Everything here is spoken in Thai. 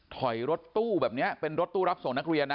ถอยรถตู้แบบนี้เป็นรถตู้รับส่งนักเรียนนะ